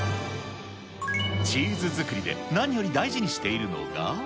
チーズ作りで何より大事にしているのが。